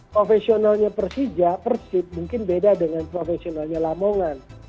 profesionalnya persija persib mungkin beda dengan profesionalnya lamongan